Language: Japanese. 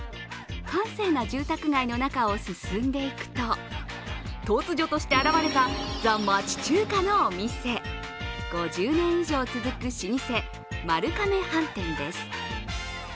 閑静な住宅街の中を進んでいくと突如として現れたザ・街中華のお店５０年以上続く老舗、丸亀飯店です。